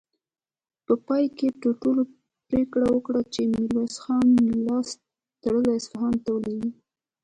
په پای کې ټولو پرېکړه وکړه چې ميرويس خان لاس تړلی اصفهان ته ولېږي.